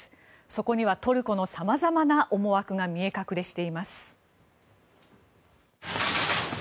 そこにはトルコのさまざまな思惑が見え隠れしています。